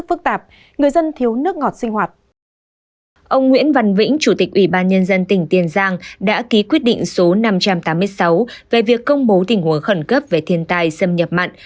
ubnd tỉnh tiền giang đã ký quyết định số năm trăm tám mươi sáu về việc công bố tình huống khẩn cấp về thiên tai xâm nhập mặn